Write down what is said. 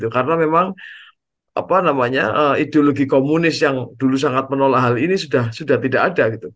karena memang ideologi komunis yang dulu sangat menolak hal ini sudah tidak ada